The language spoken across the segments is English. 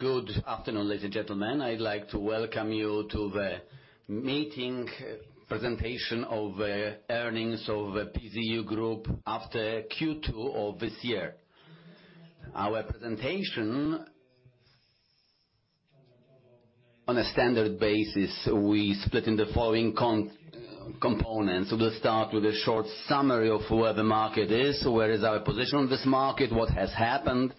Good afternoon, ladies and gentlemen. I'd like to welcome you to the meeting presentation of the earnings of the PZU Group after Q2 of this year. Our presentation on a standard basis, we split in the following components. We'll start with a short summary of where the market is, where is our position on this market, what has happened,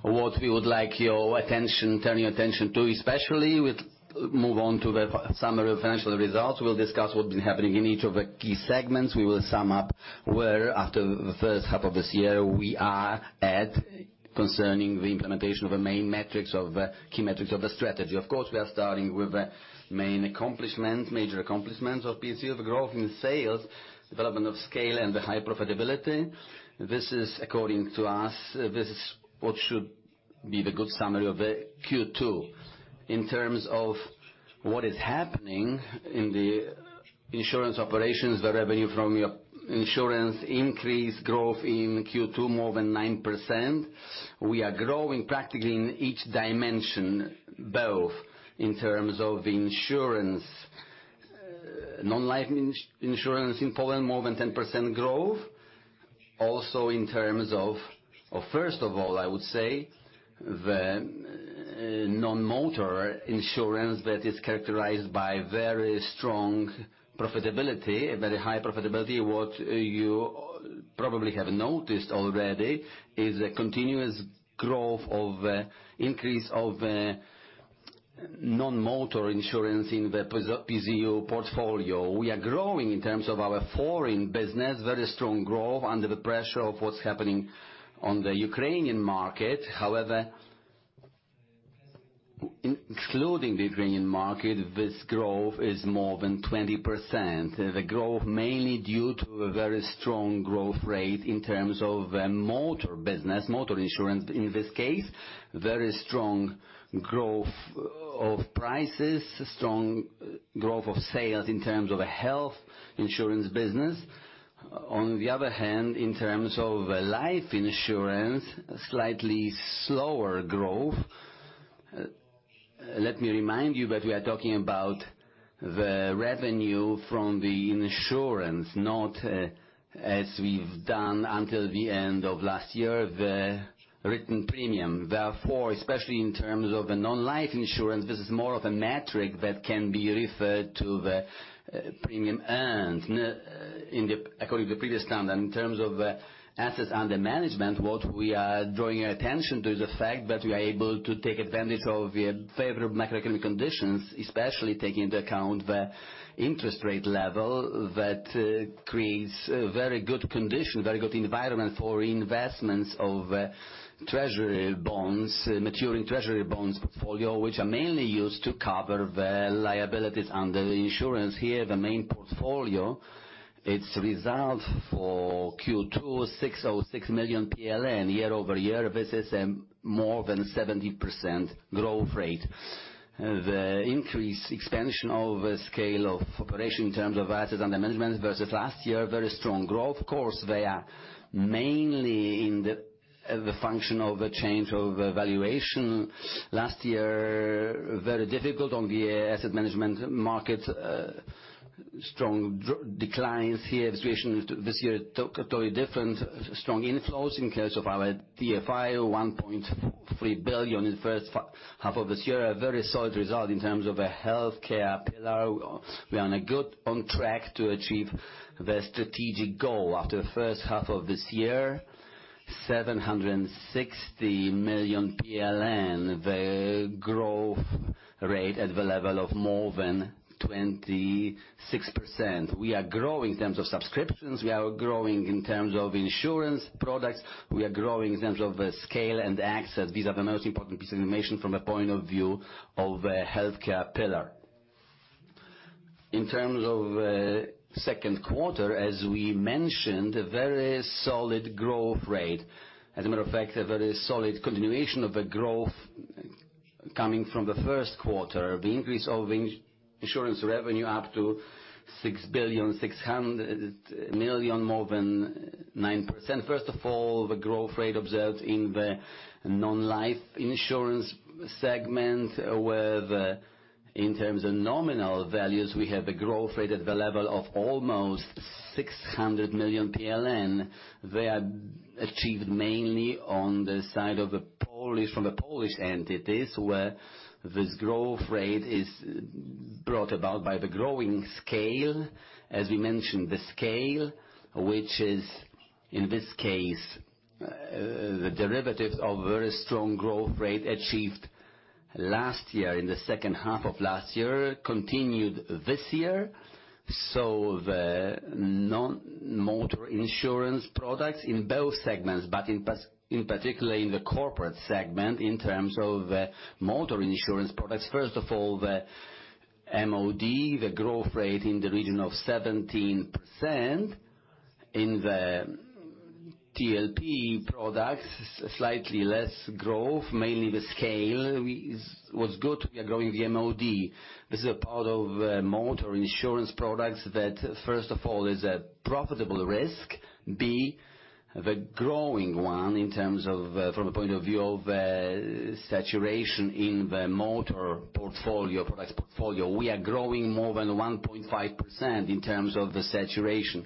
what we would like your attention, turn your attention to, especially with move on to the summary of financial results. We'll discuss what has been happening in each of the key segments. We will sum up where, after the first half of this year, we are at concerning the implementation of the main metrics of the, key metrics of the strategy. Of course, we are starting with the main accomplishment, major accomplishment of PZU, the growth in sales, development of scale, and the high profitability. This is according to us, this is what should be the good summary of the Q2. In terms of what is happening in the insurance operations, the revenue from your insurance increase growth in Q2 more than 9%. We are growing practically in each dimension, both in terms of insurance, non-life insurance in Poland, more than 10% growth. Also, in terms of, first of all, I would say, the non-motor insurance that is characterized by very strong profitability, a very high profitability. What you probably have noticed already is a continuous growth of, increase of, non-motor insurance in the PZU portfolio. We are growing in terms of our foreign business. Very strong growth under the pressure of what's happening on the Ukrainian market. However, including the Ukrainian market, this growth is more than 20%. The growth mainly due to a very strong growth rate in terms of the motor business, motor insurance, in this case, very strong growth of prices, strong growth of sales in terms of the health insurance business. On the other hand, in terms of life insurance, slightly slower growth. Let me remind you that we are talking about the revenue from the insurance, not, as we've done until the end of last year, the written premium. Therefore, especially in terms of the non-life insurance, this is more of a metric that can be referred to the premium earned in the according to the previous standard, in terms of assets under management, what we are drawing your attention to is the fact that we are able to take advantage of the favorable macroeconomic conditions, especially taking into account the interest rate level, that creates a very good condition, very good environment for investments of treasury bonds, maturing treasury bonds portfolio, which are mainly used to cover the liabilities under the insurance. Here, the main portfolio, it's reserved for Q2, 606 million PLN. Year-over-year, this is more than 70% growth rate. The increased expansion of the scale of operation in terms of assets under management versus last year, very strong growth. Of course, they are mainly in the function of the change of valuation. Last year, very difficult on the asset management market, strong declines. Here, the situation this year, totally different. Strong inflows in case of our TFI, 1.3 billion in the first half of this year. A very solid result in terms of a healthcare pillar. We are on a good track to achieve the strategic goal. After the first half of this year, 700 million PLN, the growth rate at the level of more than 26%. We are growing in terms of subscriptions, we are growing in terms of insurance products, we are growing in terms of the scale and access. These are the most important pieces of information from a point of view of the healthcare pillar. In terms of second quarter, as we mentioned, a very solid growth rate. As a matter of fact, a very solid continuation of the growth coming from the first quarter, the increase in insurance revenue up to 6.6 billion, more than 9%. First of all, the growth rate observed in the non-life insurance segment, where, in terms of nominal values, we have a growth rate at the level of almost 600 million PLN. They are achieved mainly on the side of the Polish, from the Polish entities, where this growth rate is brought about by the growing scale. As we mentioned, the scale, which is, in this case, the derivatives of very strong growth rate achieved last year, in the second half of last year, continued this year. So the non-motor insurance products in both segments, but in particular, in the corporate segment, in terms of the motor insurance products, first of all, the MOD, the growth rate in the region of 17%. In the TPL products, slightly less growth, mainly the scale what's good, we are growing the MOD. This is a part of motor insurance products that, first of all, is a profitable risk. B, the growing one in terms of, from a point of view of, saturation in the motor portfolio, products portfolio. We are growing more than 1.5% in terms of the saturation.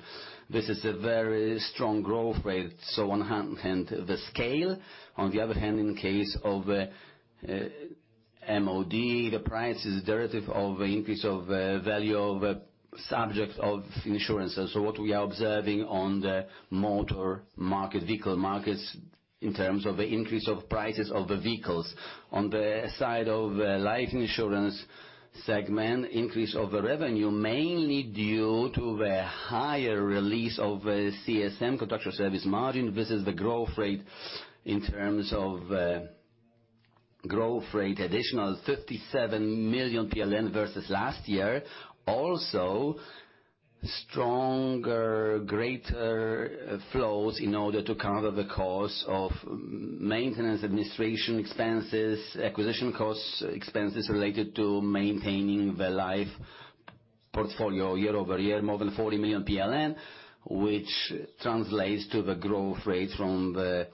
This is a very strong growth rate. So on one hand, the scale, on the other hand, in the case of MOD, the price is derivative of the increase of value of subjects of insurance. So what we are observing on the motor market, vehicle markets, in terms of the increase of prices of the vehicles. On the side of, life insurance segment, increase of the revenue, mainly due to the higher release of CSM, Contractual Service Margin. This is the growth rate in terms of, growth rate, additional 57 million PLN versus last year. Also, stronger, greater flows in order to cover the cost of maintenance, administration expenses, acquisition costs, expenses related to maintaining the life portfolio year-over-year, more than 40 million PLN, which translates to the growth rate from the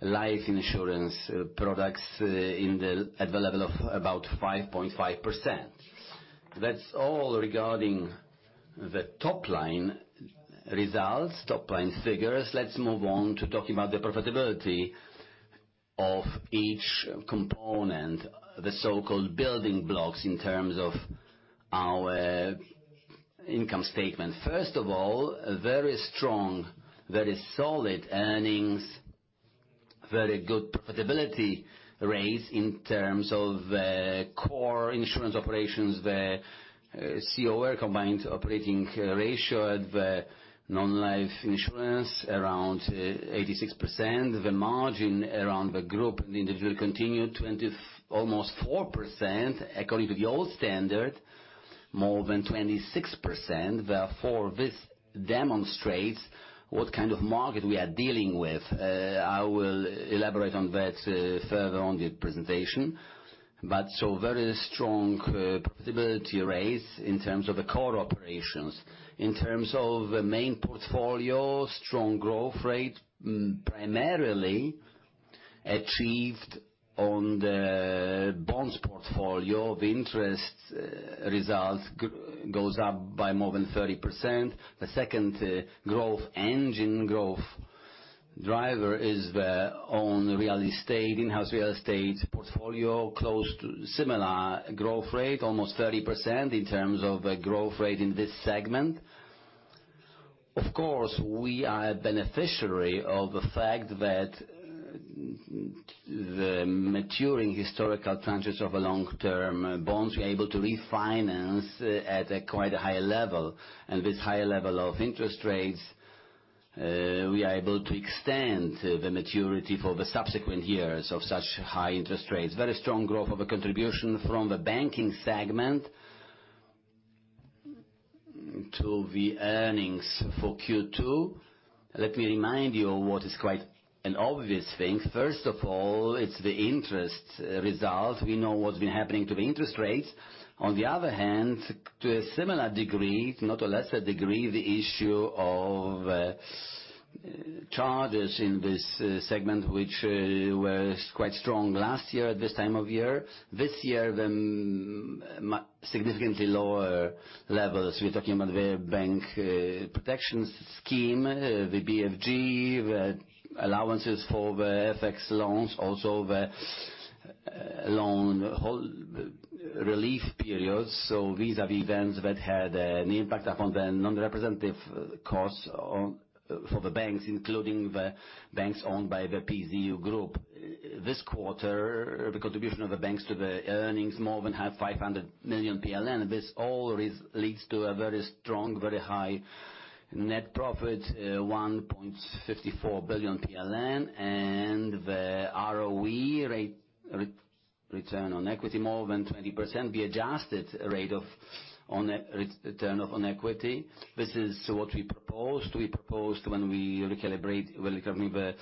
life insurance products, in the, at the level of about 5.5%. That's all regarding the top line results, top line figures. Let's move on to talking about the profitability of each component, the so-called building blocks, in terms of our income statement. First of all, very strong, very solid earnings, very good profitability raise in terms of core insurance operations, the COR, combined operating ratio, the non-life insurance, around 86%. The margin around the group, the individual continued almost 4 percent, according to the old standard, more than 26%. Therefore, this demonstrates what kind of market we are dealing with. I will elaborate on that further on the presentation. But so very strong profitability raise in terms of the core operations. In terms of the main portfolio, strong growth rate primarily achieved on the bonds portfolio. The interest results goes up by more than 30%. The second growth engine, growth driver, is the own real estate, in-house real estate portfolio, close to similar growth rate, almost 30% in terms of the growth rate in this segment. Of course, we are a beneficiary of the fact that the maturing historical tranches of long-term bonds, we are able to refinance at quite a high level. This higher level of interest rates, we are able to extend the maturity for the subsequent years of such high interest rates. Very strong growth of a contribution from the banking segment to the earnings for Q2. Let me remind you of what is quite an obvious thing. First of all, it's the interest result. We know what's been happening to the interest rates. On the other hand, to a similar degree, not a lesser degree, the issue of charges in this segment, which were quite strong last year at this time of year. This year, the significantly lower levels. We're talking about the bank protection scheme, the BFG, the allowances for the FX loans, also the loan hold relief periods. So vis-a-vis events that had an impact upon the non-representative costs on for the banks, including the banks owned by the PZU Group. This quarter, the contribution of the banks to the earnings, more than half, 500 million PLN. This all leads to a very strong, very high net profit, 1.54 billion PLN, and the ROE, rate, return on equity, more than 20%. The adjusted rate of on return on equity. This is what we proposed. We proposed when we recalibrate, when we commit the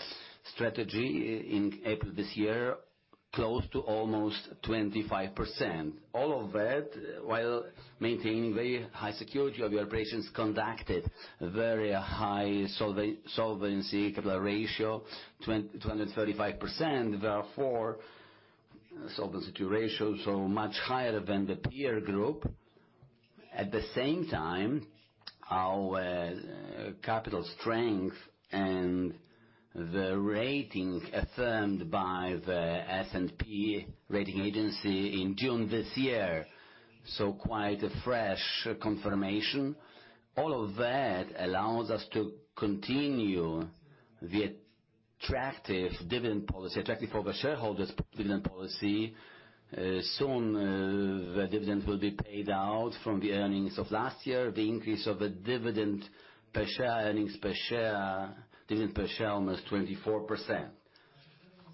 strategy in April this year, close to almost 25%. All of that, while maintaining the high security of the operations conducted, very high solvency capital ratio, 523%. Therefore, solvency ratio so much higher than the peer group. At the same time, our capital strength and the rating affirmed by the S&P rating agency in June this year, so quite a fresh confirmation. All of that allows us to continue the attractive dividend policy, attractive for the shareholders' dividend policy. Soon, the dividend will be paid out from the earnings of last year. The increase of the dividend per share, earnings per share, dividend per share, almost 24%.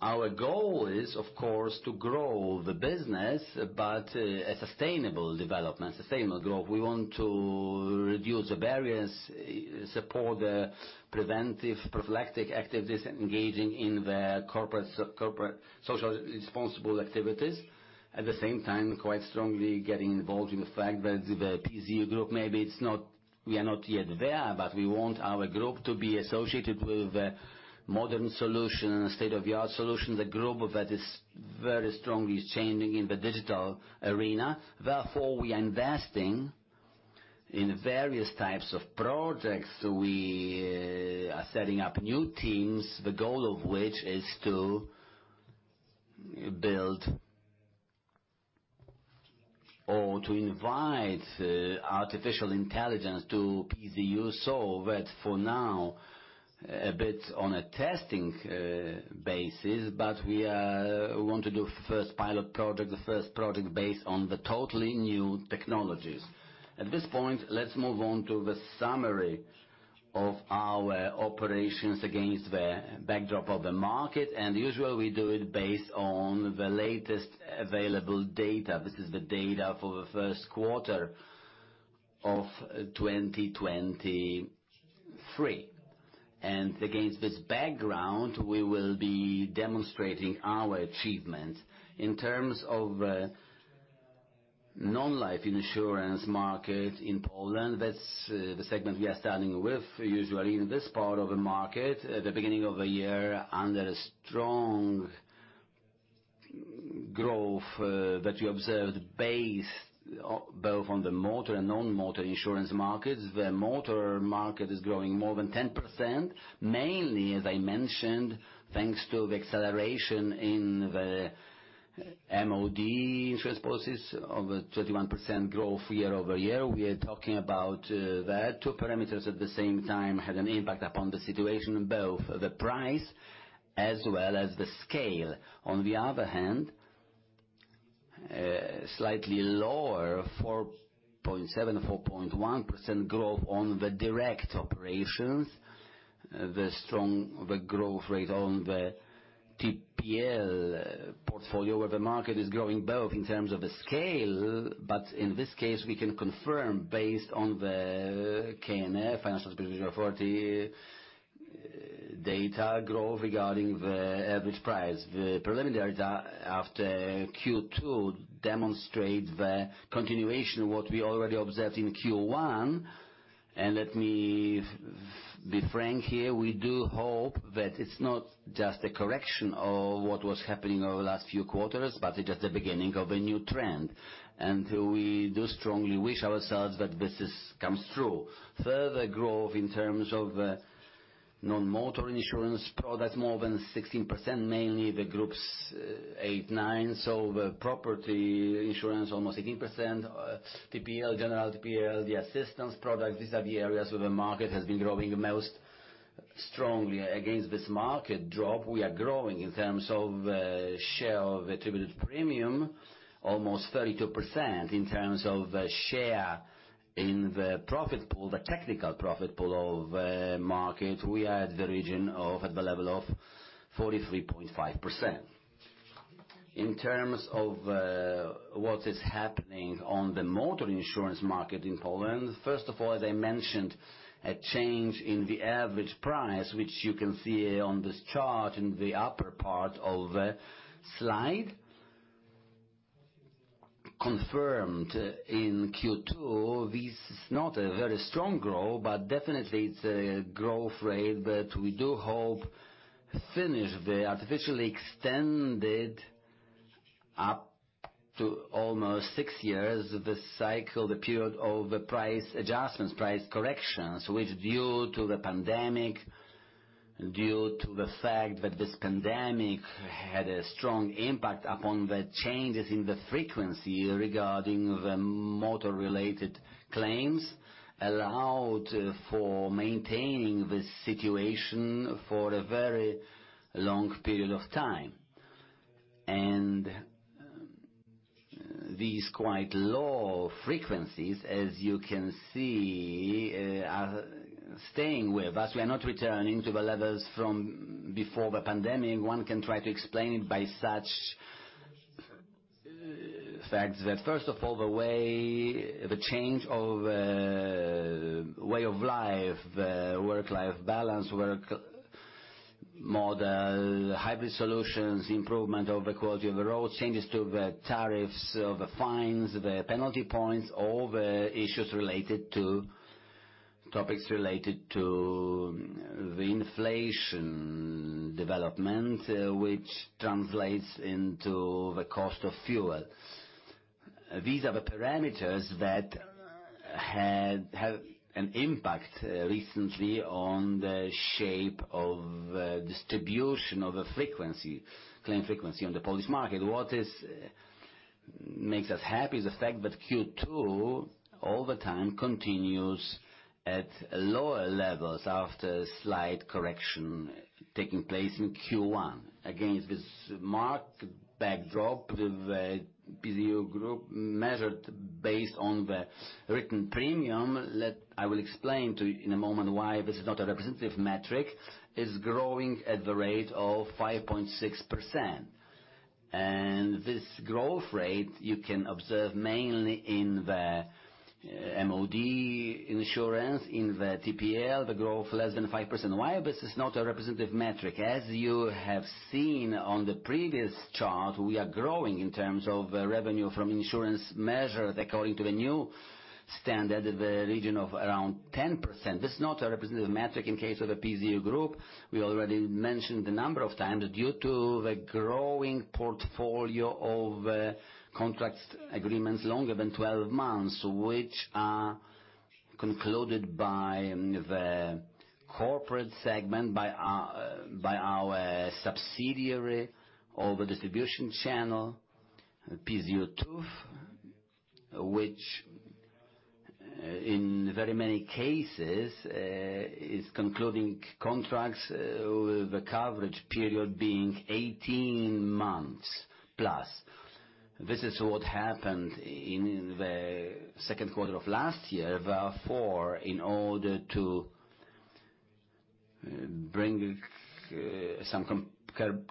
Our goal is, of course, to grow the business, but a sustainable development, sustainable growth. We want to reduce the barriers, support the preventive, prophylactic activities, engaging in the corporate social responsible activities. At the same time, quite strongly getting involved in the fact that the PZU Group, maybe it's not. We are not yet there, but we want our group to be associated with modern solution and state-of-the-art solution, the group that is very strongly changing in the digital arena. Therefore, we are investing in various types of projects. We are setting up new teams, the goal of which is to build or to invite artificial intelligence to PZU. So that for now, a bit on a testing basis, but we are, we want to do first pilot project, the first project based on the totally new technologies. At this point, let's move on to the summary of our operations against the backdrop of the market, and usually, we do it based on the latest available data. This is the data for the first quarter of 2023. Against this background, we will be demonstrating our achievement in terms of non-life insurance market in Poland. That's the segment we are starting with. Usually, in this part of the market, at the beginning of the year, under a strong growth that we observed based on both on the motor and non-motor insurance markets. The motor market is growing more than 10%, mainly, as I mentioned, thanks to the acceleration in the MOD insurance policies of a 31% growth year-over-year. We are talking about that. Two parameters at the same time had an impact upon the situation, both the price as well as the scale. On the other hand, slightly lower, 4.7%, 4.1% growth on the direct operations. The strong, the growth rate on the TPL portfolio, where the market is growing both in terms of the scale, but in this case, we can confirm, based on the KNF, Financial Supervisory Authority, data growth regarding the average price. The preliminary data after Q2 demonstrate the continuation, what we already observed in Q1. And let me be frank here, we do hope that it's not just a correction of what was happening over the last few quarters, but it's just the beginning of a new trend. And we do strongly wish ourselves that this is comes true. Further growth in terms of, non-motor insurance products, more than 16%, mainly the groups 8%, 9%. So the property insurance, almost 18%, TPL, general TPL, the assistance products, these are the areas where the market has been growing the most strongly. Against this market drop, we are growing in terms of, share of attributed premium, almost 32% in terms of share in the profit pool, the technical profit pool of, market, we are at the region of, at the level of 43.5%. In terms of, what is happening on the motor insurance market in Poland, first of all, as I mentioned, a change in the average price, which you can see on this chart in the upper part of the slide. Confirmed in Q2, this is not a very strong growth, but definitely it's a growth rate that we do hope finish the artificially extended up to almost six years, this cycle, the period of the price adjustments, price corrections, which due to the pandemic, due to the fact that this pandemic had a strong impact upon the changes in the frequency regarding the motor-related claims, allowed for maintaining this situation for a very long period of time. These quite low frequencies, as you can see, are staying with us. We are not returning to the levels from before the pandemic. One can try to explain it by such facts that, first of all, the way, the change of way of life, work-life balance, work model, hybrid solutions, improvement of the quality of the road, changes to the tariffs, the fines, the penalty points, all the issues related to topics related to the inflation development, which translates into the cost of fuel. These are the parameters that had, have an impact recently on the shape of distribution of a frequency, claim frequency on the Polish market. What makes us happy is the fact that Q2 all the time continues at lower levels after a slight correction taking place in Q1. Against this marked backdrop, the PZU Group, measured based on the written premium, I will explain to you in a moment why this is not a representative metric, is growing at the rate of 5.6%. This growth rate you can observe mainly in the MOD insurance, in the TPL, the growth less than 5%. Why this is not a representative metric? As you have seen on the previous chart, we are growing in terms of revenue from insurance measured according to the new standard, in the region of around 10%. This is not a representative metric in case of a PZU Group. We already mentioned the number of times due to the growing portfolio of contracts agreements longer than 12 months, which are concluded by the corporate segment, by our subsidiary of the distribution channel, PZU TUW, which in very many cases is concluding contracts with the coverage period being 18 months+. This is what happened in the second quarter of last year. Therefore, in order to bring some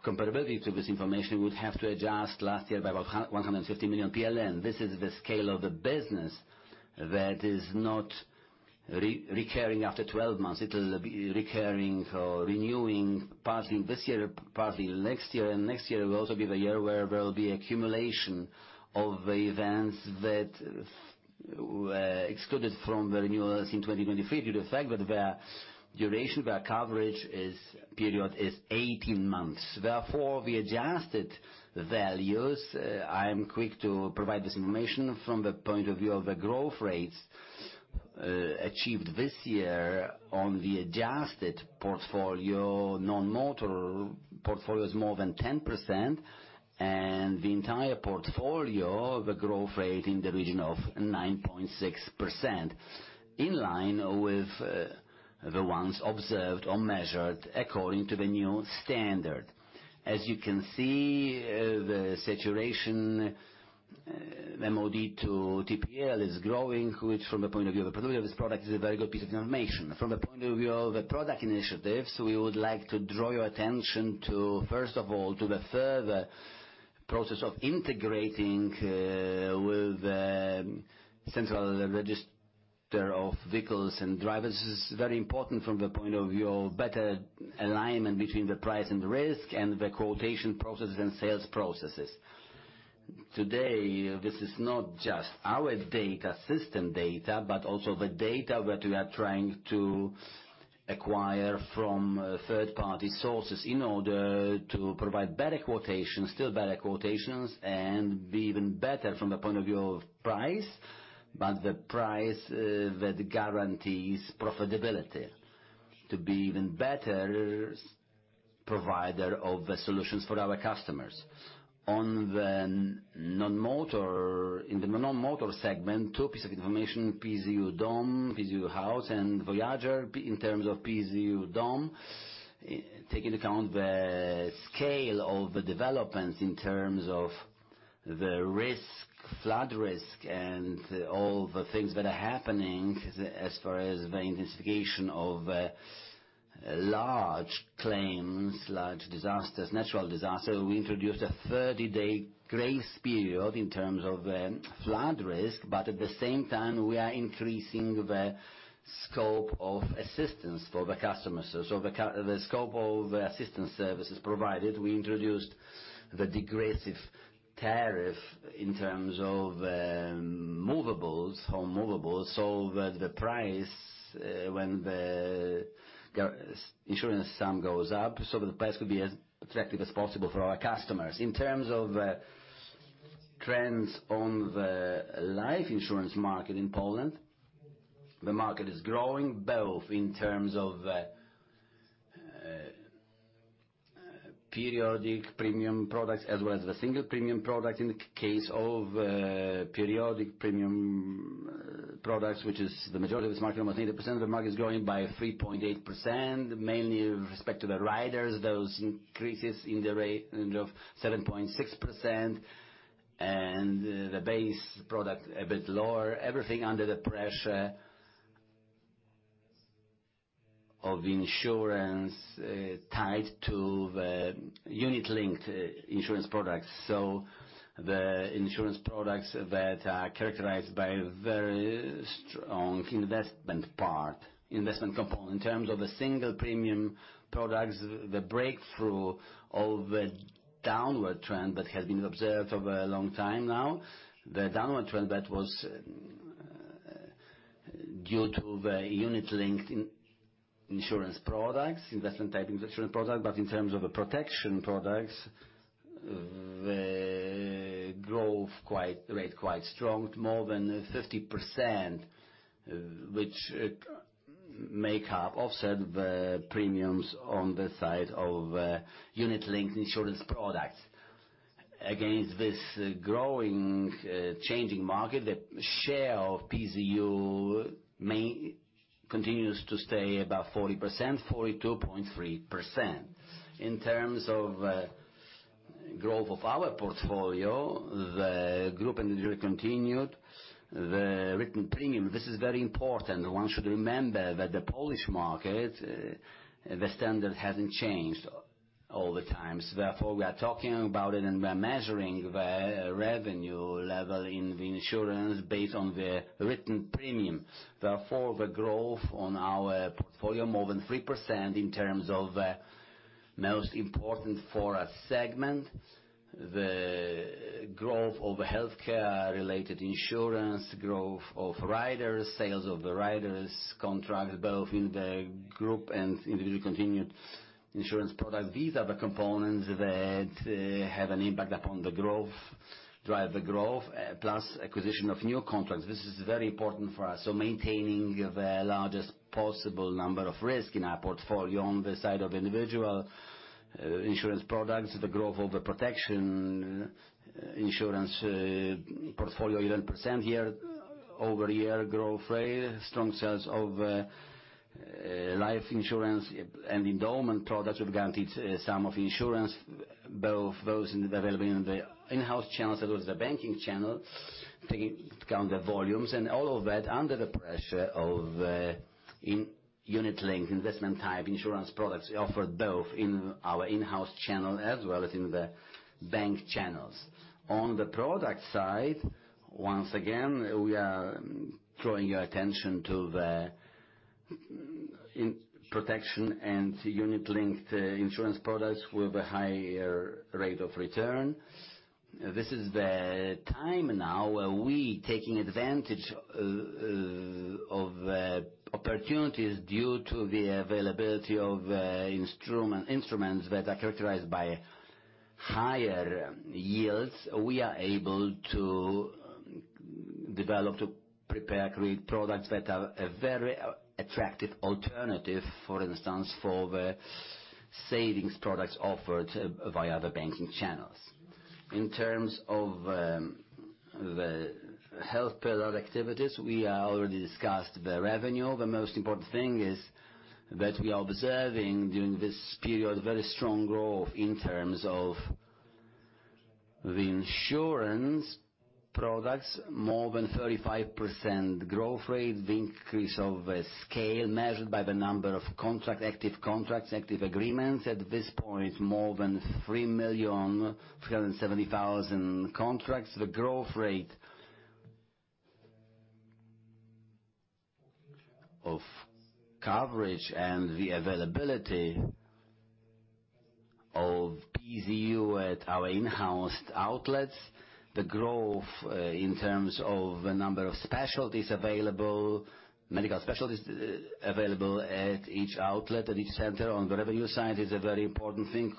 comparability to this information, we would have to adjust last year by 150 million PLN. This is the scale of the business that is not recurring after 12 months. It will be recurring or renewing, partly this year, partly next year, and next year will also be the year where there will be accumulation of the events that were excluded from the renewals in 2023 due to the fact that the duration, the coverage period is 18 months. Therefore, the adjusted values, I am quick to provide this information from the point of view of the growth rates achieved this year on the adjusted portfolio. Non-motor portfolio is more than 10%, and the entire portfolio, the growth rate in the region of 9.6%, in line with the ones observed or measured according to the new standard. As you can see, the saturation, MOD to TPL is growing, which, from the point of view of the product, is a very good piece of information. From the point of view of the product initiatives, we would like to draw your attention to, first of all, to the further process of integrating with central register of vehicles and drivers. This is very important from the point of view of better alignment between the price and risk and the quotation processes and sales processes. Today, this is not just our data, system data, but also the data that we are trying to acquire from third-party sources in order to provide better quotations, still better quotations, and be even better from the point of view of price, but the price that guarantees profitability to be even better provider of the solutions for our customers. On the non-motor, in the non-motor segment, two pieces of information, PZU Dom, PZU House, and Voyager. In terms of PZU Dom, take into account the scale of the developments in terms of the risk, flood risk, and all the things that are happening as far as the intensification of large claims, large disasters, natural disaster. We introduced a 30-day grace period in terms of flood risk, but at the same time, we are increasing the scope of assistance for the customers. So the scope of the assistance services provided, we introduced the degressive tariff in terms of, movables, home movables, so that the price, when the insurance sum goes up, so the price could be as attractive as possible for our customers. In terms of, trends on the life insurance market in Poland, the market is growing both in terms of, periodic premium products as well as the single premium product. In the case of, periodic premium products, which is the majority of this market, almost 80% of the market, is growing by 3.8%, mainly in respect to the riders. Those increases in the rate of 7.6% and the base product a bit lower, everything under the pressure of insurance, tied to the unit-linked insurance products. So the insurance products that are characterized by very strong investment part, investment component. In terms of the single premium products, the breakthrough of the downward trend that has been observed over a long time now, the downward trend that was due to the unit-linked insurance products, investment type insurance products. But in terms of the protection products, the growth quite, rate quite strong, more than 50%, which make up, offset the premiums on the side of unit-linked insurance products. Against this growing, changing market, the share of PZU main continues to stay about 40%, 42.3%. In terms of growth of our portfolio, the group continued the written premium. This is very important. One should remember that the Polish market, the standard hasn't changed all the times. Therefore, we are talking about it, and we're measuring the revenue level in the insurance based on the written premium. Therefore, the growth on our portfolio more than 3% in terms of most important for a segment, the growth of healthcare-related insurance, growth of riders, sales of the riders, contracts, both in the group and individual continued insurance products. These are the components that have an impact upon the growth, drive the growth, plus acquisition of new contracts. This is very important for us. So maintaining the largest possible number of risk in our portfolio. On the side of individual insurance products, the growth of the protection insurance portfolio, 11% year-over-year growth rate, strong sales of life insurance and endowment products with guaranteed sum of insurance, both those in developing the in-house channels, as well as the banking channel, taking into account the volumes and all of that under the pressure of in unit-linked investment type insurance products, we offer both in our in-house channel as well as in the bank channels. On the product side, once again, we are drawing your attention to the in protection and unit-linked insurance products with a higher rate of return. This is the time now where we taking advantage of opportunities due to the availability of instrument, instruments that are characterized by higher yields. We are able to develop, to prepare, create products that are a very attractive alternative for instance, for the savings products offered via the banking channels. In terms of the health product activities, we are already discussed the revenue. The most important thing is that we are observing during this period, very strong growth in terms of the insurance products, more than 35% growth rate, the increase of scale measured by the number of contract, active contracts, active agreements. At this point, more than 3,370,000 contracts, the growth rate of coverage and the availability of PZU at our in-house outlets, the growth in terms of the number of specialties available, medical specialties available at each outlet, at each center on the revenue side, is a very important thing.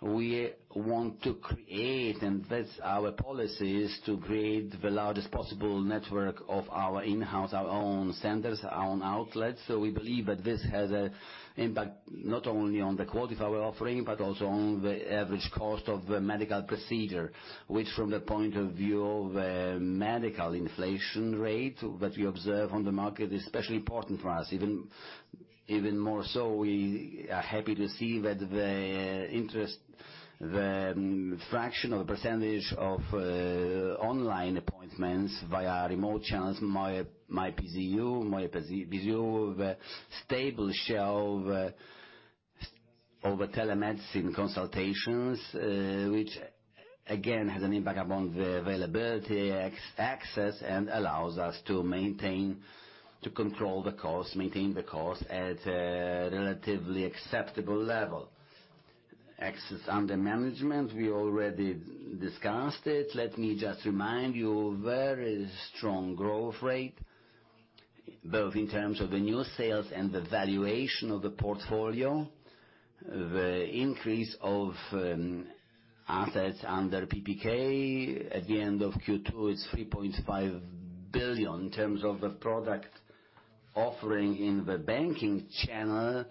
We want to create, and that's our policy, is to create the largest possible network of our in-house, our own centers, our own outlets. So we believe that this has an impact, not only on the quality of our offering, but also on the average cost of the medical procedure, which from the point of view of, medical inflation rate, that we observe on the market, is especially important for us. Even more so, we are happy to see that the interest, the fraction of the percentage of, online appointments via remote channels, mojePZU, the stable share of, over telemedicine consultations, which again, has an impact upon the availability, access, and allows us to maintain, to control the cost, maintain the cost at a relatively acceptable level. Access under management, we already discussed it. Let me just remind you, very strong growth rate, both in terms of the new sales and the valuation of the portfolio. The increase of assets under PPK at the end of Q2 is 3.5 billion. In terms of the product offering in the banking channel,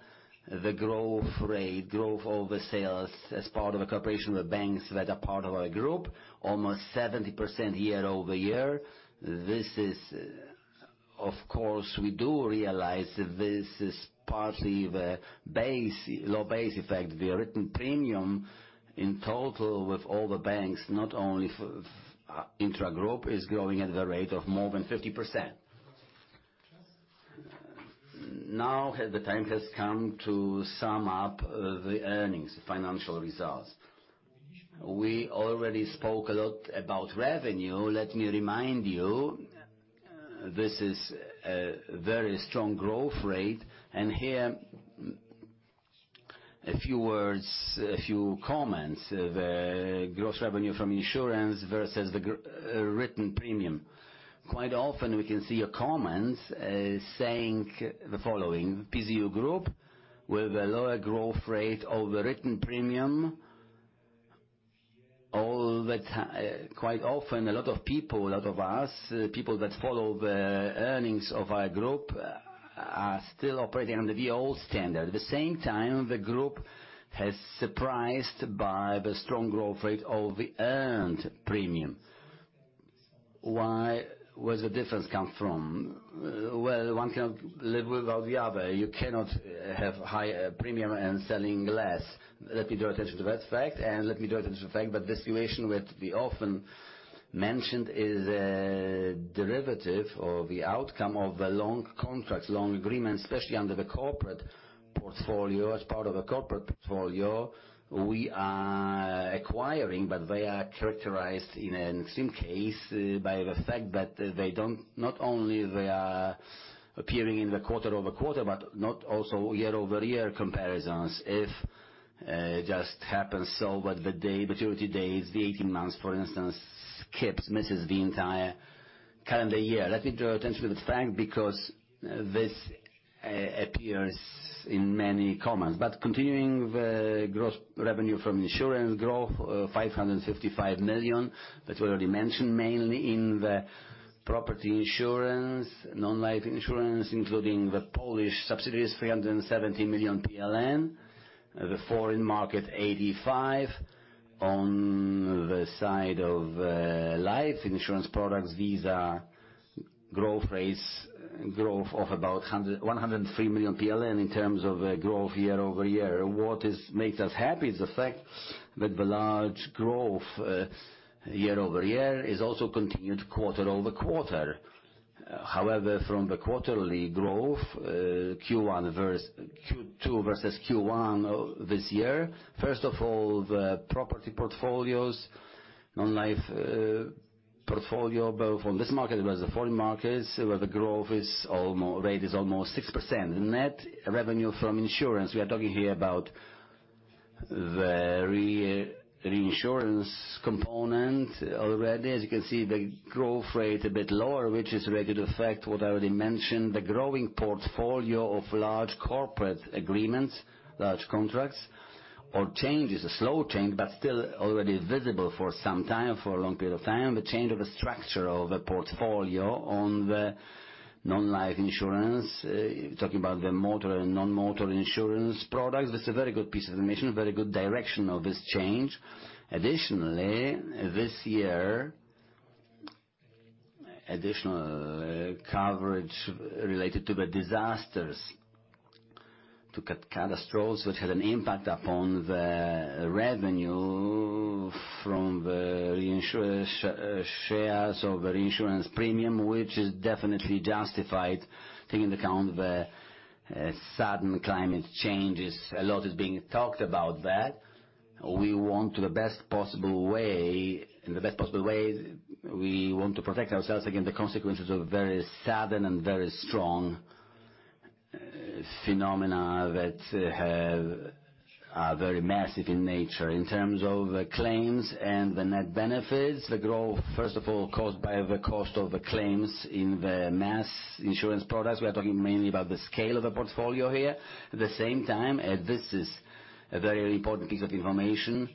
the growth rate, growth of the sales as part of a corporation with banks that are part of our group, almost 70% year-over-year. This is, of course, we do realize that this is partly the base, low base effect. The written premium in total with all the banks, not only for intragroup, is growing at the rate of more than 50%. Now, the time has come to sum up the earnings, financial results. We already spoke a lot about revenue. Let me remind you, this is a very strong growth rate, and here, a few words, a few comments. The gross revenue from insurance versus the written premium. Quite often, we can see your comments saying the following: "PZU Group with a lower growth rate of the written premium." Quite often, a lot of people, a lot of us, people that follow the earnings of our group, are still operating under the old standard. At the same time, the group has surprised by the strong growth rate of the earned premium. Why, where's the difference come from? Well, one cannot live without the other. You cannot have high premium and selling less. Let me draw attention to that fact, and let me draw attention to the fact that this situation, which we often mentioned, is a derivative or the outcome of the long contracts, long agreements, especially under the corporate portfolio, as part of a corporate portfolio. We are acquiring, but they are characterized in an extreme case by the fact that they don't, not only they are appearing in the quarter-over-quarter, but not also year-over-year comparisons. If it just happens so, but the day, maturity days, the eighteen months, for instance, skips, misses the entire calendar year. Let me draw attention to the fact, because this appears in many comments. Continuing the gross revenue from insurance growth, 555 million, that we already mentioned, mainly in the property insurance, non-life insurance, including the Polish subsidiaries, 370 million PLN, the foreign market, 85 million. On the side of life insurance products, these are growth rates, growth of about 103 million PLN in terms of growth year-over-year. What is makes us happy is the fact that the large growth year-over-year is also continued quarter-over-quarter. However, from the quarterly growth, Q1 versus Q2 versus Q1 of this year, first of all, the property portfolios, non-life portfolio, both on this market as the foreign markets, where the growth rate is almost 6%. Net revenue from insurance, we are talking here about the reinsurance component already. As you can see, the growth rate a bit lower, which is related to the fact, what I already mentioned, the growing portfolio of large corporate agreements, large contracts, or change is a slow change, but still already visible for some time, for a long period of time, the change of the structure of the portfolio on the non-life insurance. Talking about the motor and non-motor insurance products, this is a very good piece of information, a very good direction of this change. Additionally, this year, additional coverage related to the disasters, to catastrophes, which had an impact upon the revenue from the reinsurer shares of the reinsurance premium, which is definitely justified, taking into account the sudden climate changes. A lot is being talked about that. We want the best possible way, in the best possible way, we want to protect ourselves against the consequences of very sudden and very strong phenomena that have, are very massive in nature. In terms of the claims and the net benefits, the growth, first of all, caused by the cost of the claims in the mass insurance products. We are talking mainly about the scale of the portfolio here. At the same time, and this is a very important piece of information,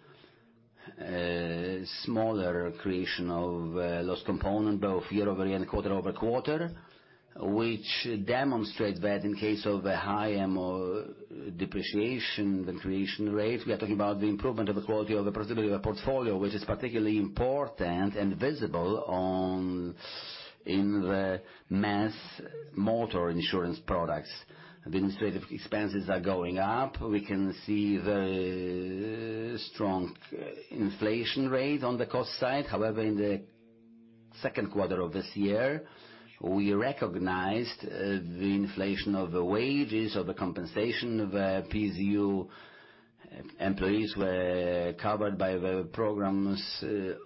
smaller creation of, loss component, both year-over-year and quarter-over-quarter, which demonstrates that in case of a higher more depreciation than creation rate, we are talking about the improvement of the quality of the possibility of the portfolio, which is particularly important and visible in the mass motor insurance products. The administrative expenses are going up. We can see the strong inflation rate on the cost side. However, in the second quarter of this year, we recognized the inflation of the wages of the compensation of PZU employees were covered by the programs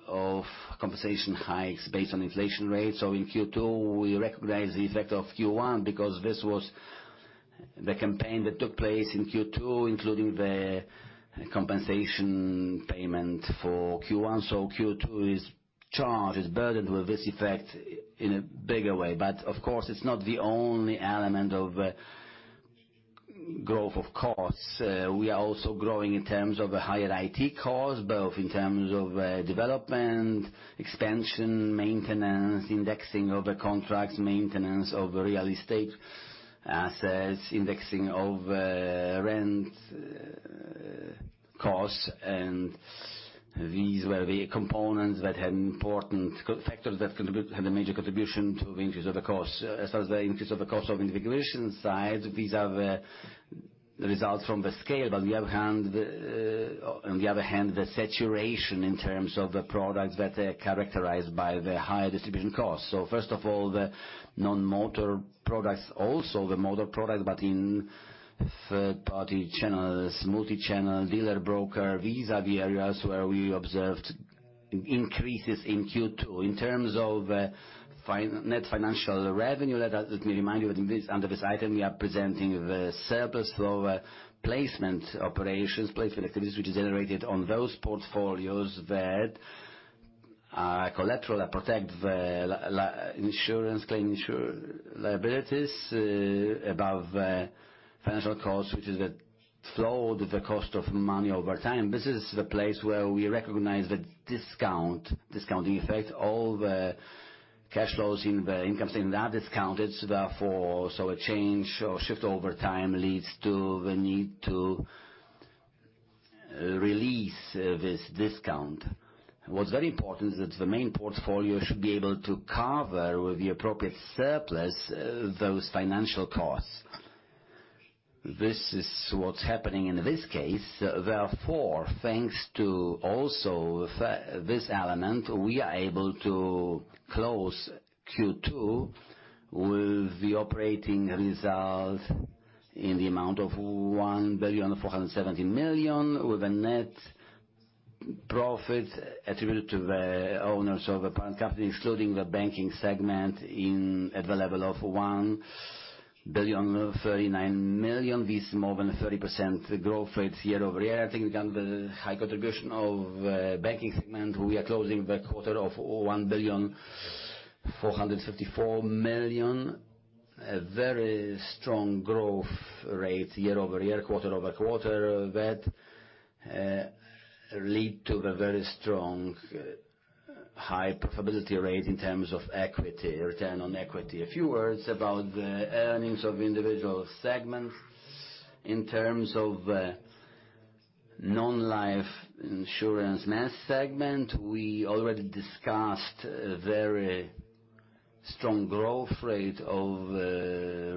of compensation hikes based on inflation rates. So in Q2, we recognized the effect of Q1 because this was the campaign that took place in Q2, including the compensation payment for Q1. So Q2 is charged, is burdened with this effect in a bigger way. But of course, it's not the only element of growth of costs. We are also growing in terms of a higher IT cost, both in terms of development, expansion, maintenance, indexing of the contracts, maintenance of the real estate assets, indexing of rent costs. These were the components that had important factors that contribute, had a major contribution to the increase of the cost. As far as the increase of the cost of integration side, these are the results from the scale. But the other hand, on the other hand, the saturation in terms of the products that are characterized by the higher distribution costs. So first of all, the non-motor products, also the motor products, but in third-party channels, multi-channel, dealer, broker, these are the areas where we observed increases in Q2. In terms of net financial revenue, let me remind you that in this, under this item, we are presenting the surplus flow, placement operations, placement activities, which is generated on those portfolios that are collateral, that protect the liabilities, insurance claim liabilities, above the financial cost, which is the flow, the cost of money over time. This is the place where we recognize the discount, discounting effect. All the cash flows in the incomes in that discounted, therefore, so a change or shift over time leads to the need to release this discount. What's very important is that the main portfolio should be able to cover with the appropriate surplus those financial costs. This is what's happening in this case. Therefore, thanks to also this element, we are able to close Q2 with the operating result in the amount of 1.417 billion, with a net profit attributed to the owners of a parent company, including the banking segment, in at the level of 1.039 billion. This is more than a 30% growth rate year-over-year. I think, again, the high contribution of banking segment, we are closing the quarter of 1.454 billion. A very strong growth rate year-over-year, quarter-over-quarter, that lead to the very strong high profitability rate in terms of equity, return on equity. A few words about the earnings of individual segments. In terms of non-life insurance mass segment, we already discussed a very strong growth rate of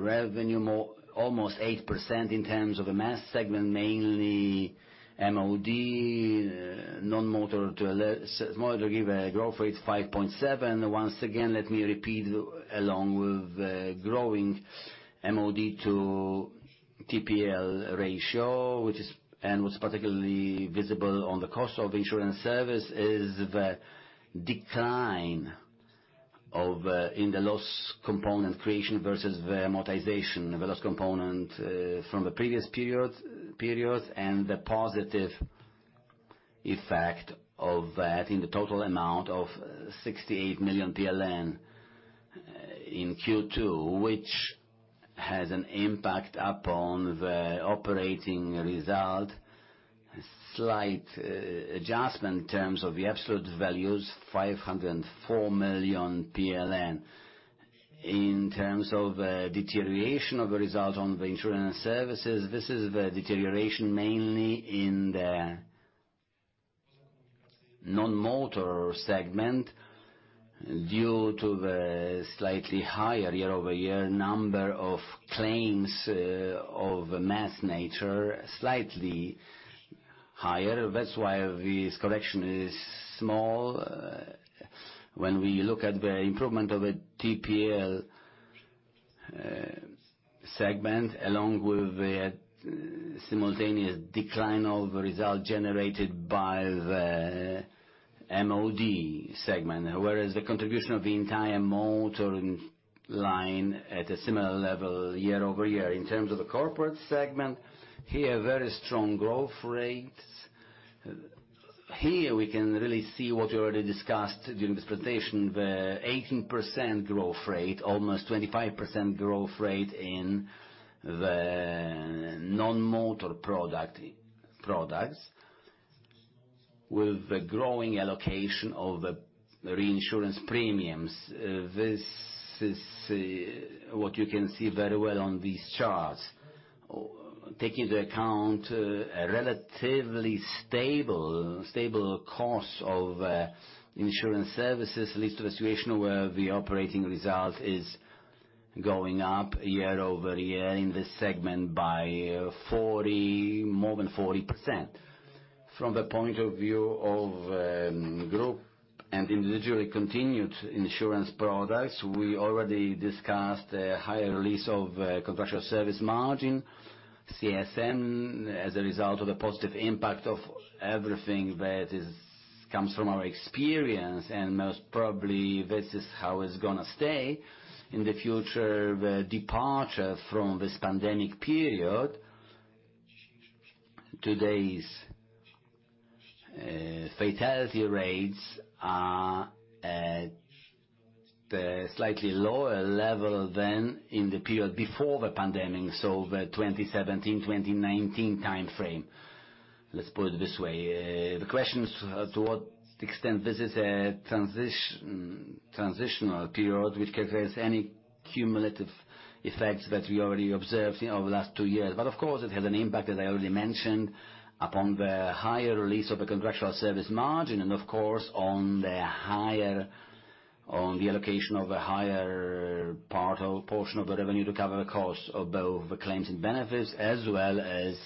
revenue, more almost 8% in terms of the mass segment, mainly MOD, non-motor to motor, give a growth rate of 5.7%. Once again, let me repeat, along with the growing MOD to TPL ratio, which is and was particularly visible on the cost of insurance service, is the decline of in the loss component creation versus the amortization. The loss component from the previous periods and the positive effect of that in the total amount of 68 million PLN in Q2, which has an impact upon the operating result. Slight adjustment in terms of the absolute values, 504 million PLN. In terms of deterioration of the result on the insurance services, this is the deterioration mainly in the non-motor segment, due to the slightly higher year-over-year number of claims of a mass nature, slightly higher. That's why this correction is small. When we look at the improvement of the TPL segment, along with the simultaneous decline of the result generated by the MOD segment. Whereas, the contribution of the entire motor line at a similar level year-over-year. In terms of the corporate segment, here, very strong growth rates. Here, we can really see what we already discussed during this presentation, the 18% growth rate, almost 25% growth rate in the non-motor product, products, with the growing allocation of the reinsurance premiums. This is what you can see very well on these charts. Taking into account a relatively stable cost of insurance services leads to a situation where the operating result is going up year-over-year in this segment by more than 40%. From the point of view of group and individually continued insurance products, we already discussed a higher release of Contractual Service Margin, CSM, as a result of the positive impact of everything that comes from our experience, and most probably, this is how it's gonna stay in the future. The departure from this pandemic period, today's fatality rates are at a slightly lower level than in the period before the pandemic, so the 2017-2019 timeframe. Let's put it this way, the question is, to what extent this is a transitional period, which carries any cumulative effects that we already observed over the last two years. But of course, it has an impact, as I already mentioned, upon the higher release of the Contractual Service Margin, and of course, on the higher, on the allocation of a higher part or portion of the revenue to cover the cost of both the claims and benefits, as well as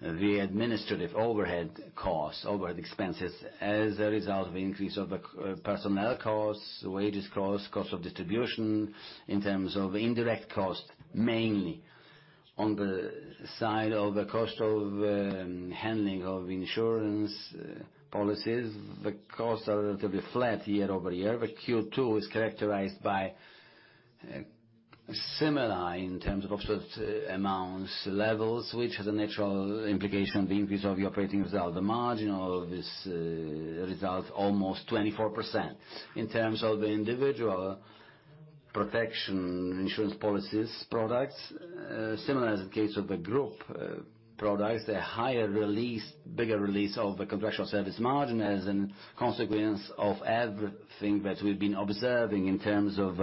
the administrative overhead costs, overhead expenses, as a result of increase of the, personnel costs, wages costs, cost of distribution, in terms of indirect costs, mainly on the side of the cost of, handling of insurance, policies. The costs are relatively flat year-over-year, but Q2 is characterized by, similar in terms of absolute amounts, levels, which has a natural implication, the increase of the operating result. The margin of this, result, almost 24%. In terms of the individual protection insurance policies, products, similar as the case of the group, products, a higher release, bigger release of the Contractual Service Margin as a consequence of everything that we've been observing in terms of,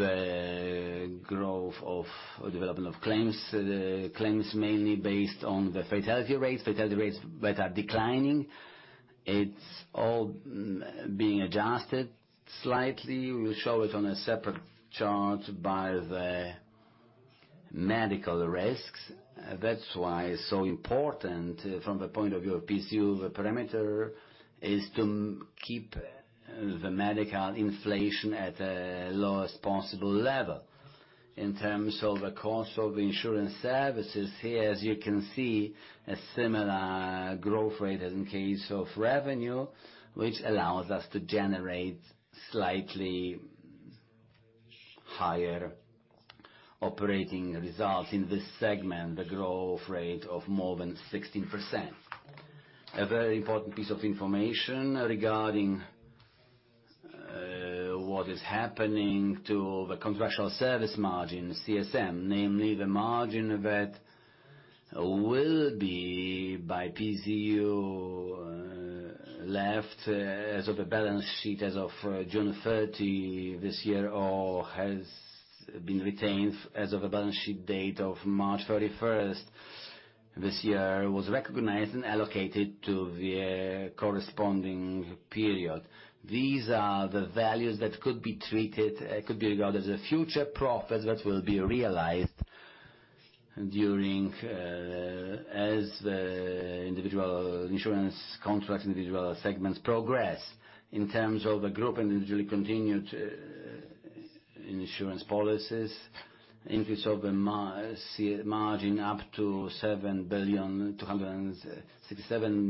the growth of or development of claims. The claims mainly based on the fatality rates, fatality rates that are declining. It's all being adjusted slightly. We'll show it on a separate chart by the medical risks. That's why it's so important from the point of view of PZU, the parameter, is to keep the medical inflation at the lowest possible level. In terms of the cost of the insurance services, here as you can see, a similar growth rate as in case of revenue, which allows us to generate slightly higher operating results in this segment, the growth rate of more than 16%. A very important piece of information regarding what is happening to the Contractual Service Margin, CSM, namely, the margin that will be by PZU left as of the balance sheet as of June 30th this year, or has been retained as of the balance sheet date of March 31st this year, was recognized and allocated to the corresponding period. These are the values that could be treated, could be regarded as a future profit that will be realized during as the individual insurance contracts, individual segments progress. In terms of the group and individually continued insurance policies, increase of the margin up to 7.267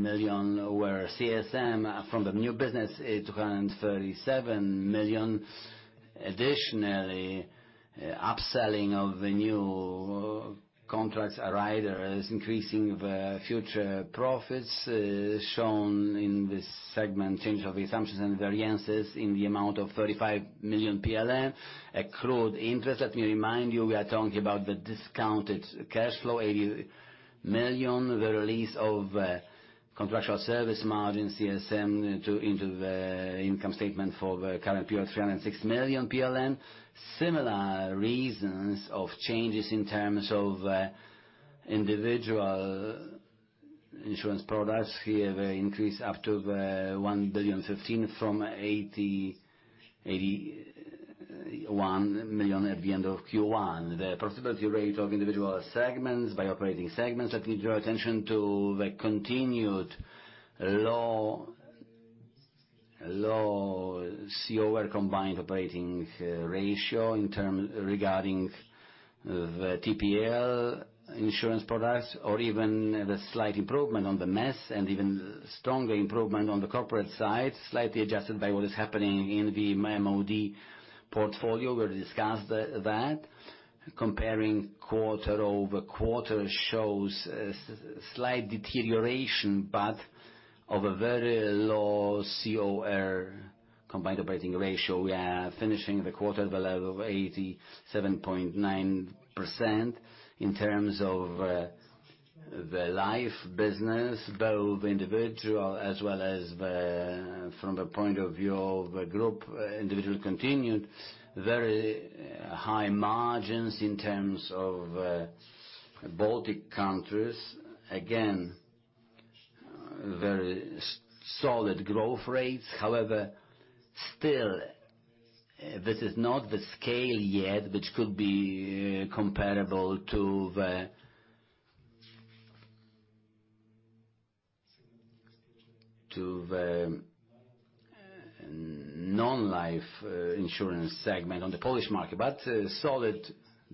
billion, where CSM from the new business is 237 million. Additionally, upselling of the new contracts rider is increasing the future profits shown in this segment. Change of assumptions and variances in the amount of 35 million. Accrued interest, let me remind you, we are talking about the discounted cash flow, 80 million. The release of Contractual Service Margin, CSM, into the income statement for the current period, 306 million PLN. Similar reasons of changes in terms of individual insurance products. Here, the increase up to 1,015 billion from 81 million at the end of Q1. The profitability rate of individual segments by operating segments, let me draw attention to the continued low COR combined operating ratio in terms regarding the TPL insurance products, or even the slight improvement on the mass, and even stronger improvement on the corporate side, slightly adjusted by what is happening in the MOD portfolio. We discussed that. Comparing quarter-over-quarter shows a slight deterioration, but of a very low COR, combined operating ratio. We are finishing the quarter at the level of 87.9%. In terms of, the life business, both individual as well as the, from the point of view of the group, individual continued very high margins in terms of, Baltic countries. Again, very solid growth rates. However, still, this is not the scale yet, which could be, comparable to the, to the non-life, insurance segment on the Polish market, but a solid,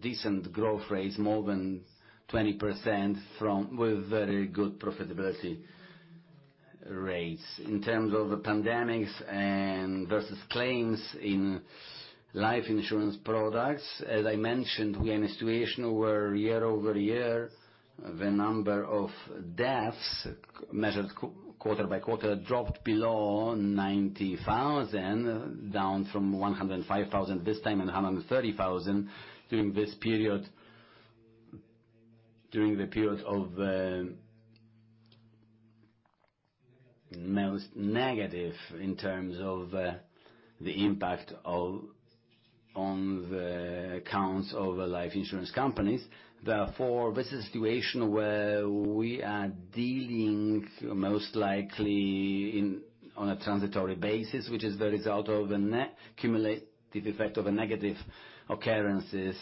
decent growth rate, more than 20% from-- with very good profitability rates. In terms of the pandemics and versus claims in life insurance products, as I mentioned, we are in a situation where year-over-year, the number of deaths, measured quarter-by-quarter, dropped below 90,000, down from 105,000 this time, and 130,000 during this period. During the period of most negative in terms of the impact on the accounts of the life insurance companies. Therefore, this is a situation where we are dealing most likely on a transitory basis, which is the result of a net cumulative effect of a negative occurrences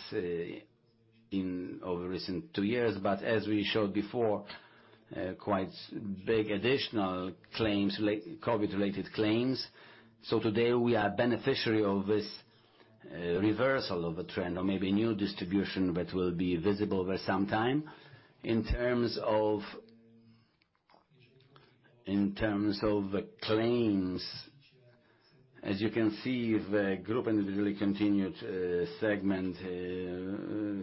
in over recent two years. But as we showed before, quite big additional claims, COVID-related claims. So today, we are beneficiary of this reversal of the trend or maybe new distribution, that will be visible for some time. In terms of, in terms of the claims, as you can see, the group and really continued, segment,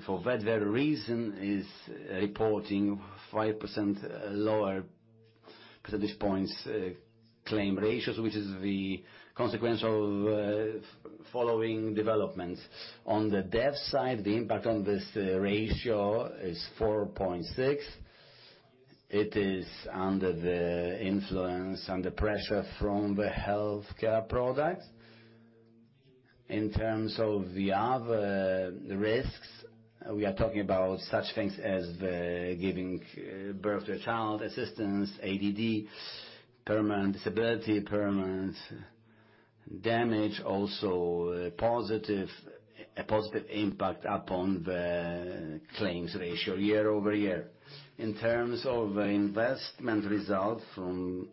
for that very reason, is reporting 5% lower percentage points, claim ratios, which is the consequence of, following developments. On the death side, the impact on this, ratio is 4.6. It is under the influence, under pressure from the healthcare products. In terms of the other risks, we are talking about such things as the giving, birth to a child, assistance, ADD, permanent disability, permanent damage, also a positive, a positive impact upon the claims ratio year-over-year. In terms of investment result from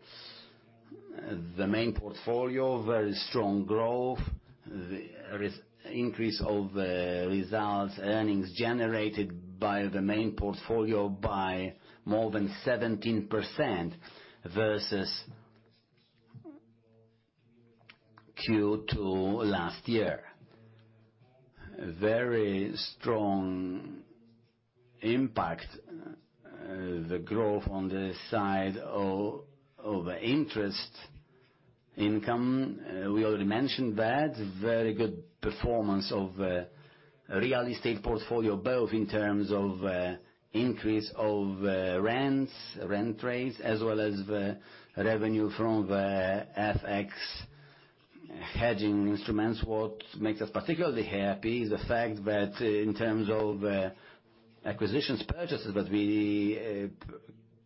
the main portfolio, very strong growth. The increase of, results, earnings generated by the main portfolio by more than 17% versus Q2 last year. Very strong impact, the growth on the side of, of interest income, we already mentioned that. Very good performance of, real estate portfolio, both in terms of, increase of, rents, rent rates, as well as the revenue from the FX hedging instruments. What makes us particularly happy is the fact that in terms of, acquisitions purchases that we,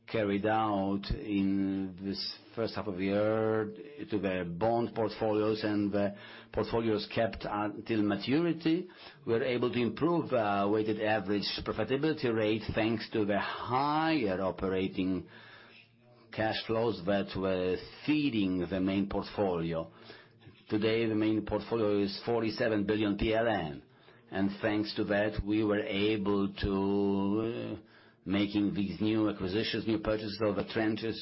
carried out in this first half of the year to the bond portfolios and the portfolios kept until maturity. We are able to improve, weighted average profitability rate, thanks to the higher operating cash flows that were feeding the main portfolio. Today, the main portfolio is 47 billion PLN, and thanks to that, we were able to making these new acquisitions, new purchases of tranches,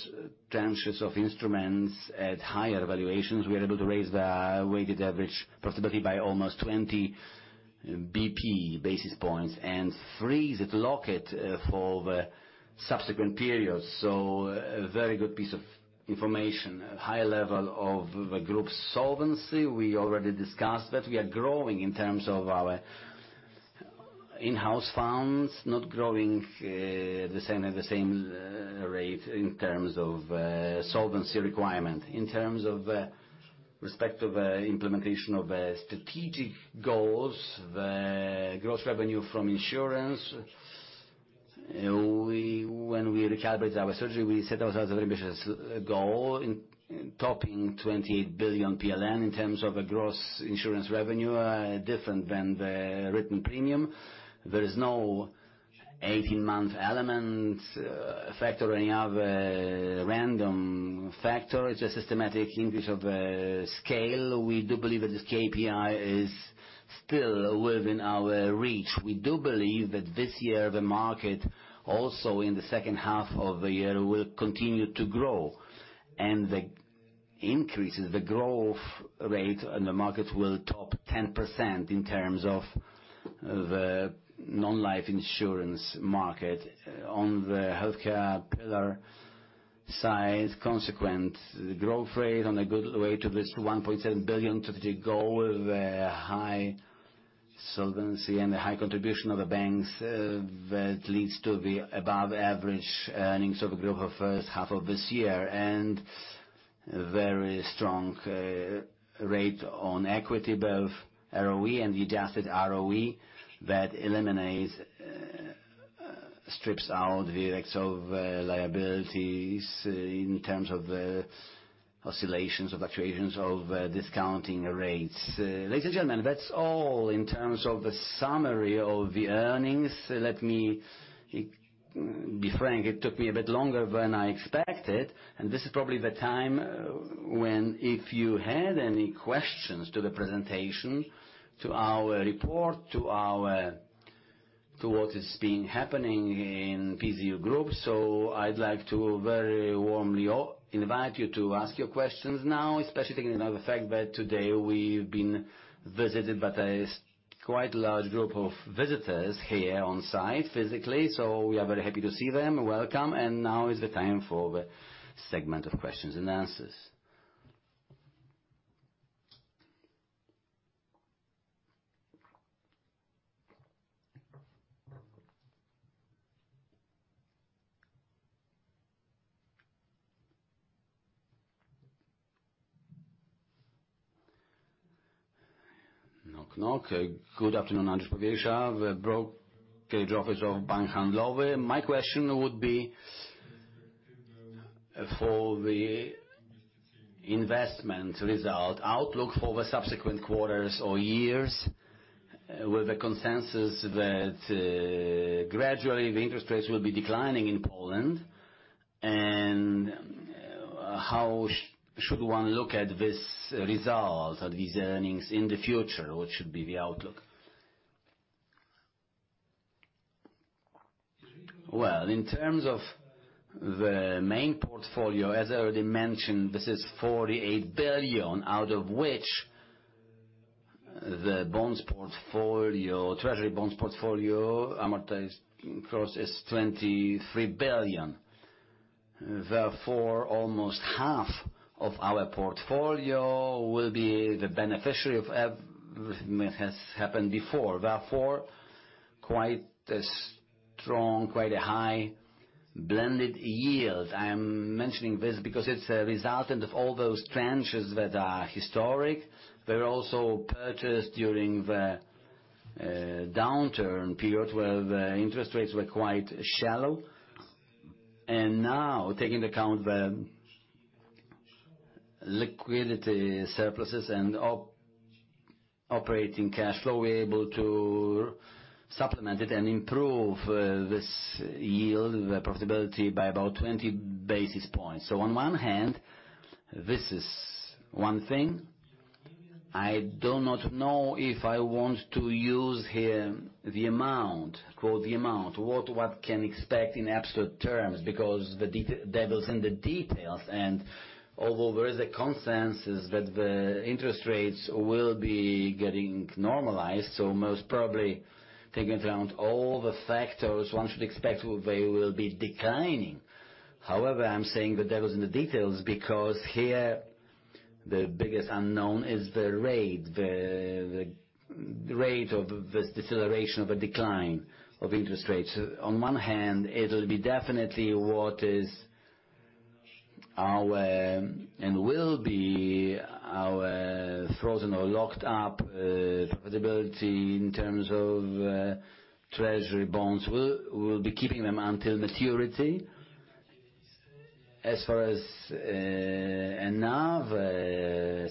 tranches of instruments at higher valuations. We are able to raise the weighted average, possibly by almost 20 basis points, and freeze it, lock it, for the subsequent periods. So a very good piece of information. A high level of the group's solvency, we already discussed that. We are growing in terms of our in-house funds, not growing, the same, at the same, rate in terms of, solvency requirement. In terms of, respect of, implementation of, strategic goals, the gross revenue from insurance, when we recalibrate our strategy, we set ourselves a very ambitious goal in topping 28 billion PLN in terms of a gross insurance revenue, different than the written premium. There is no 18-month element, factor, or any other random factor. It's a systematic increase of, scale. We do believe that this KPI is still within our reach. We do believe that this year, the market, also in the second half of the year, will continue to grow, and the increase, the growth rate in the market will top 10% in terms of the non-life insurance market. On the healthcare pillar side, consequent growth rate on a good way to this 1.7 billion strategic goal, the high solvency and the high contribution of the banks, that leads to the above average earnings of a group of first half of this year. And very strong, rate on equity, both ROE and adjusted ROE, that eliminates, strips out the effects of, liabilities in terms of the oscillations of actuations of, discounting rates. Ladies and gentlemen, that's all in terms of the summary of the earnings. Let me be frank, it took me a bit longer than I expected, and this is probably the time when if you had any questions to the presentation, to our report, to what is being happening in PZU Group. So I'd like to very warmly all invite you to ask your questions now, especially taking into the fact that today we've been visited by a quite large group of visitors here on site, physically, so we are very happy to see them. Welcome, and now is the time for the segment of questions-and-answers. Knock, knock. Good afternoon, Andrzej Powierża, the brokerage office of Citi Handlowy. My question would be for the investment result outlook for the subsequent quarters or years, with the consensus that gradually, the interest rates will be declining in Poland, and how should one look at this result or these earnings in the future? What should be the outlook? Well, in terms of the main portfolio, as I already mentioned, this is 48 billion, out of which the bonds portfolio, treasury bonds portfolio, amortized cost is 23 billion. Therefore, almost half of our portfolio will be the beneficiary of ev... has happened before. Therefore, quite a strong, quite a high blended yield. I am mentioning this because it's a resultant of all those tranches that are historic. They were also purchased during the downturn period, where the interest rates were quite shallow. And now, taking into account the liquidity surpluses and operating cash flow, we're able to supplement it and improve this yield, the profitability by about 20 basis points. So on one hand, this is one thing. I do not know if I want to use here the amount, quote, the amount, what can expect in absolute terms, because the devil's in the details, and although there is a consensus that the interest rates will be getting normalized, so most probably taking into account all the factors, one should expect they will be declining. However, I'm saying the devil's in the details because here, the biggest unknown is the rate, the rate of this deceleration of a decline of interest rates. On one hand, it'll be definitely what is our, and will be our frozen or locked up profitability in terms of treasury bonds. We'll, we'll be keeping them until maturity. As far as enough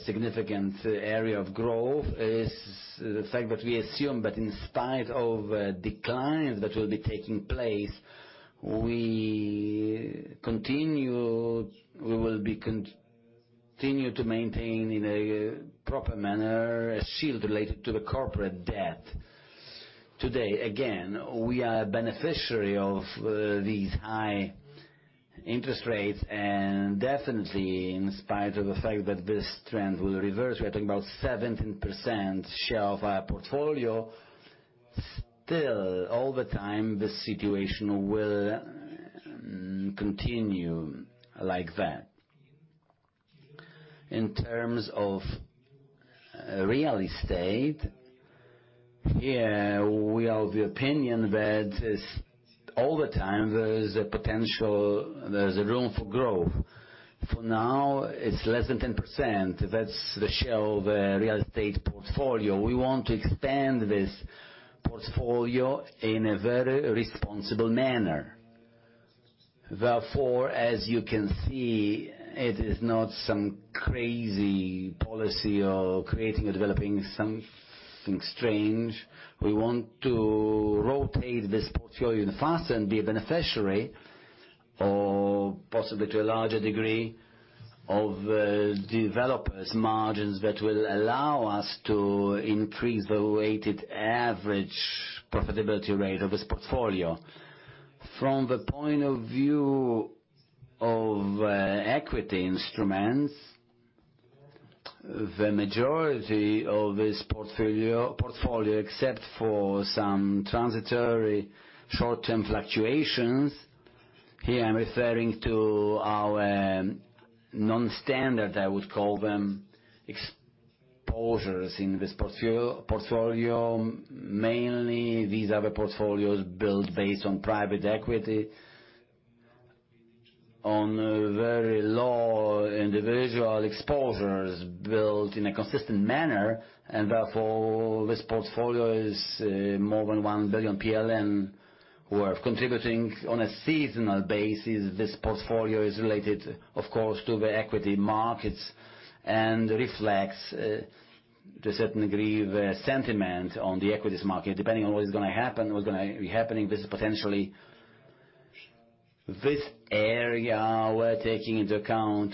significant area of growth is the fact that we assume that in spite of declines that will be taking place, we will continue to maintain in a proper manner a shield related to the corporate debt. Today, again, we are a beneficiary of these high interest rates, and definitely in spite of the fact that this trend will reverse, we are talking about 17% share of our portfolio. Still, all the time, this situation will continue like that. In terms of real estate, here, we are of the opinion that all the time there is a potential, there's a room for growth. For now, it's less than 10%. That's the share of real estate portfolio. We want to expand this portfolio in a very responsible manner. Therefore, as you can see, it is not some crazy policy or creating or developing something strange. We want to rotate this portfolio faster and be a beneficiary, or possibly to a larger degree of developers' margins that will allow us to increase the weighted average profitability rate of this portfolio. From the point of view of equity instruments, the majority of this portfolio, except for some transitory short-term fluctuations, here, I'm referring to our non-standard, I would call them, exposures in this portfolio. Mainly, these are the portfolios built based on private equity, on a very low individual exposures built in a consistent manner, and therefore, this portfolio is more than 1 billion PLN. We're contributing on a seasonal basis. This portfolio is related, of course, to the equity markets and reflects to a certain degree the sentiment on the equities market. Depending on what is gonna happen, what's gonna be happening, this is potentially... This area, we're taking into account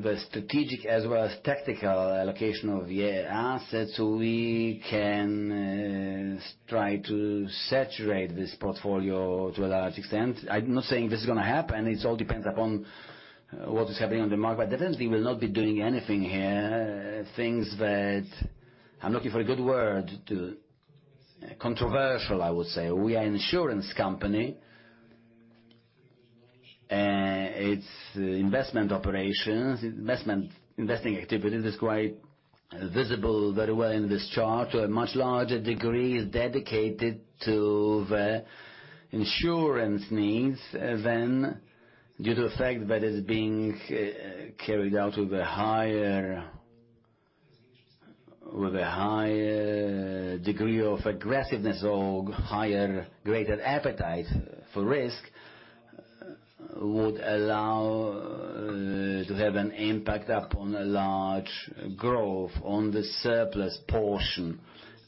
the strategic as well as tactical allocation of the assets, so we can try to saturate this portfolio to a large extent. I'm not saying this is gonna happen. It all depends upon what is happening on the market, but definitely, we will not be doing anything here, things that I'm looking for a good word to, controversial, I would say. We are an insurance company. It's investment operations, investment, investing activity is quite visible very well in this chart to a much larger degree, is dedicated to the insurance needs than due to the fact that it's being carried out with a higher, with a higher degree of aggressiveness or higher graded appetite for risk, would allow to have an impact upon a large growth on the surplus portion.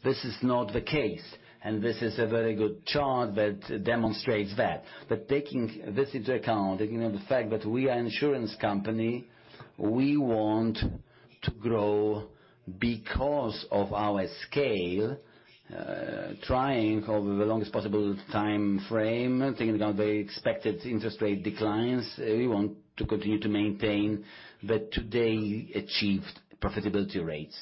This is not the case, and this is a very good chart that demonstrates that. But taking this into account, taking into the fact that we are an insurance company, we want to grow because of our scale, trying over the longest possible timeframe, thinking about the expected interest rate declines, we want to continue to maintain the today achieved profitability rates.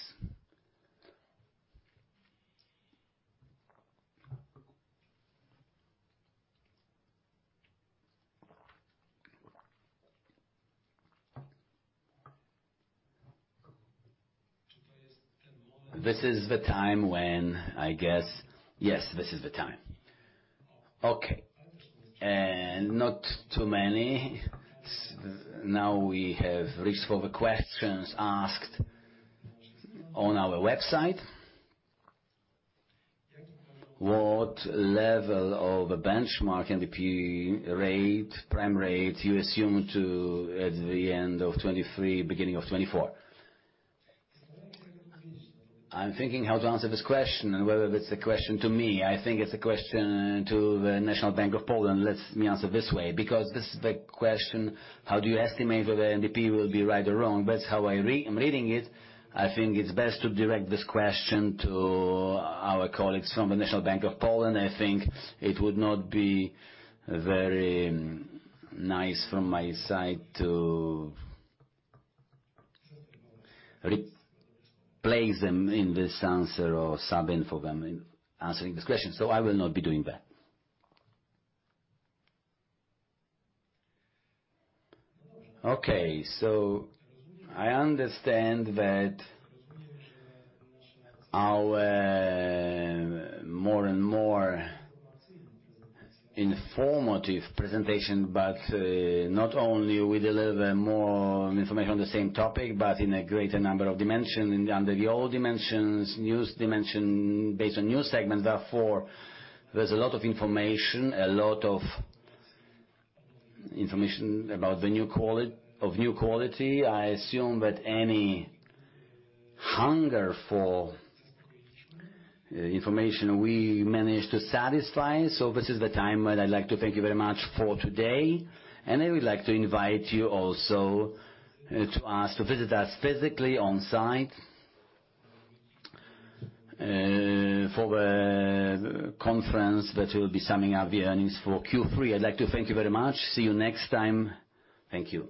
This is the time when, I guess... Yes, this is the time. Okay. And not too many. Now, we have reached for the questions asked on our website. What level of a benchmark NBP rate, prime rate, you assume to at the end of 2023, beginning of 2024? I'm thinking how to answer this question and whether it's a question to me. I think it's a question to the National Bank of Poland. Let me answer this way, because this is the question, how do you estimate whether NBP will be right or wrong? That's how I read, I'm reading it. I think it's best to direct this question to our colleagues from the National Bank of Poland. I think it would not be very nice from my side to replace them in this answer or sub in for them in answering this question, so I will not be doing that. Okay, so I understand that our more and more informative presentation, but not only we deliver more information on the same topic, but in a greater number of dimension, and under the old dimensions, new dimension, based on new segment. Therefore, there's a lot of information, a lot of information about the new quality of new quality. I assume that any hunger for information we managed to satisfy. So this is the time when I'd like to thank you very much for today, and I would like to invite you also to us, to visit us physically on-site, for the conference that will be summing up the earnings for Q3. I'd like to thank you very much. See you next time. Thank you.